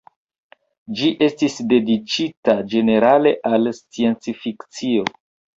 Ĝi estis dediĉita ĝenerale al sciencfikcio.